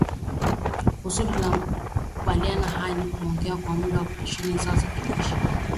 Kusudi la makubaliano haya ni kuongeza muda wa operesheni zao za kijeshi katika awamu ya tatu.